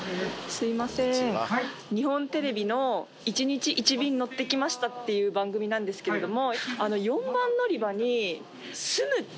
すいません日本テレビの『１日１便乗ってきました』って番組なんですけれども。